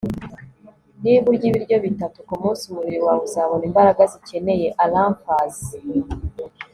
niba urya ibiryo bitatu kumunsi, umubiri wawe uzabona imbaraga zikeneye. (alanf_us